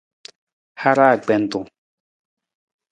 Haraa akpentung.